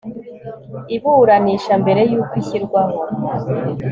iburanisha mbere y uko ishyirwaho